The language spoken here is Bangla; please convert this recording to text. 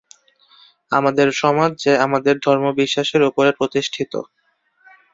আমাদের সমাজ যে আমাদের ধর্মবিশ্বাসের উপরে প্রতিষ্ঠিত।